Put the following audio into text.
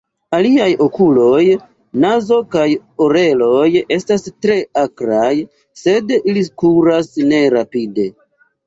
Iliaj okuloj, nazo kaj oreloj estas tre akraj, sed ili kuras ne rapide.